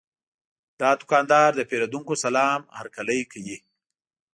دا دوکاندار د پیرودونکو سلام هرکلی کوي.